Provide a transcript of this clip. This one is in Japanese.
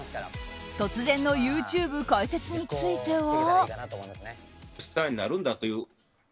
突然のＹｏｕＴｕｂｅ解説については。